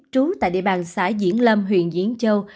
trú tại địa bàn xã diễn lâm huyện diễn châu